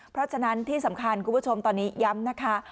เพราะฉะนั้นที่สำคัญคุณผู้ชมตอนนี้ย้ำนะคะ